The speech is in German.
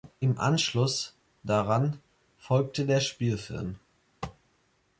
Im Anschluss daran folgte der Spielfilm.